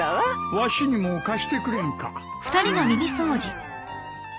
わしにも貸してくれんか？